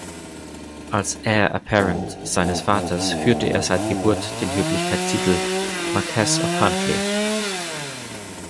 Als Heir apparent seines Vaters führte er seit Geburt den Höflichkeitstitel "Marquess of Huntly".